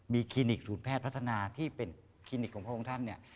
มีคลินิกศูนย์แพทย์พัฒนาที่เป็นคลินิกของพระองค์ท่านเนี่ย